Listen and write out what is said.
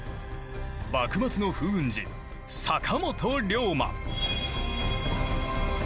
幕末の風雲児坂本龍馬。